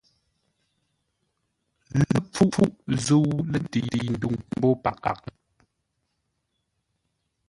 Ləpfuʼ zə̂u lətəi ndwuŋ mbó paghʼə.